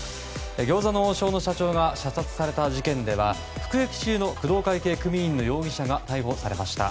餃子の王将の社長が射殺された事件では服役中の工藤会系組員の男が逮捕されました。